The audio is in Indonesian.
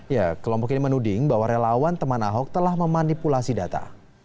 ya kelompok ini menuding bahwa relawan teman ahok telah memanipulasi data